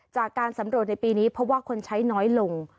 จากการสำรวจในปีนี้เพราะว่าคนใช้น้อยลง